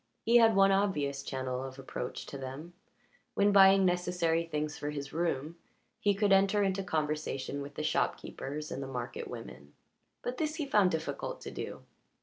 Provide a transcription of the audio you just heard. He had one obvious channel of approach to them; when buying necessary things for his room, he could enter into conversation with the shopkeepers and the market women, but this he found it difficult to do.